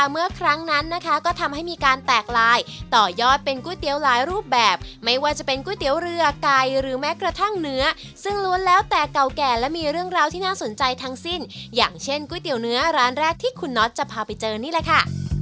เมื่อครั้งนั้นนะคะก็ทำให้มีการแตกลายต่อยอดเป็นก๋วยเตี๋ยวหลายรูปแบบไม่ว่าจะเป็นก๋วยเตี๋ยวเรือไก่หรือแม้กระทั่งเนื้อซึ่งล้วนแล้วแต่เก่าแก่และมีเรื่องราวที่น่าสนใจทั้งสิ้นอย่างเช่นก๋วยเตี๋ยวเนื้อร้านแรกที่คุณน็อตจะพาไปเจอนี่แหละค่ะ